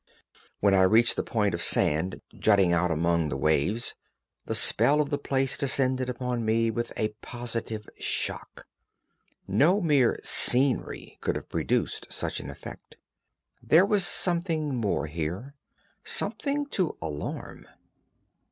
When I reached the point of sand jutting out among the waves, the spell of the place descended upon me with a positive shock. No mere "scenery" could have produced such an effect. There was something more here, something to alarm.